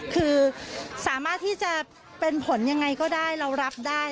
คือสามารถที่จะเป็นผลยังไงก็ได้เรารับได้